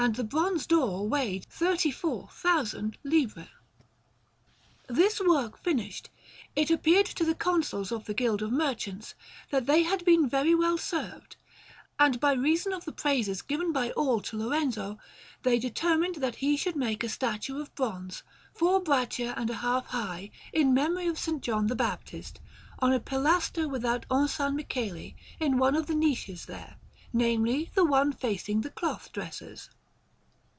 JOHN BEFORE HEROD (After Lorenzo Ghiberti. Siena: Baptistery) Alinari] This work finished, it appeared to the Consuls of the Guild of Merchants that they had been very well served, and by reason of the praises given by all to Lorenzo they determined that he should make a statue of bronze, four braccia and a half high, in memory of S. John the Baptist, on a pilaster without Orsanmichele, in one of the niches there namely, the one facing the Cloth dressers.